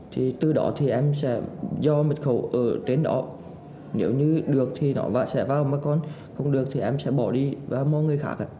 thì từ đó thì em sẽ do mật khẩu ở trên đó nếu như được thì nó sẽ vào mà còn không được thì em sẽ bỏ đi vào mọi người khác